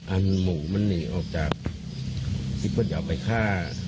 อันหมูมันหนีออกจากที่พ่นอย่าไปฆ่า